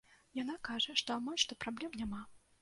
Яна кажа, што амаль што праблем няма.